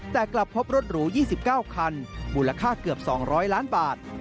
แต่กลับพบรถหรู๒๙คันมูลค่าเกือบ๒๐๐ล้านบาท